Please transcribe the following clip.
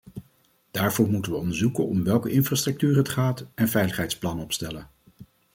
Daarvoor moeten we onderzoeken om welke infrastructuur het gaat, en veiligheidsplannen opstellen.